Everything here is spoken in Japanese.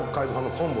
昆布！